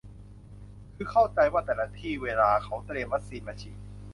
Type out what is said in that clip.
คือเข้าใจว่าแต่ละที่เวลาเค้าเตรียมวัคซีนมาฉีด